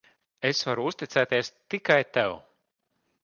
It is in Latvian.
Es varu uzticēties tikai tev.